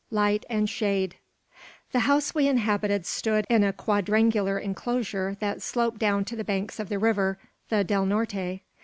LIGHT AND SHADE. The house we inhabited stood in a quadrangular inclosure that sloped down to the banks of the river, the Del Norte.